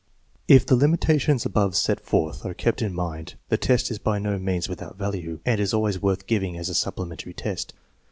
If the limitations above set forth are kept hi mind, the test is by no means without value, and is always worth giving as a supplementary test.